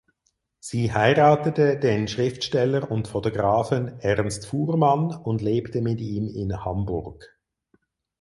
Sie heiratete den Schriftsteller und Fotografen Ernst Fuhrmann und lebte mit ihm in Hamburg.